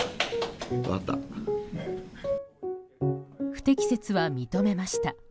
不適切は認めました。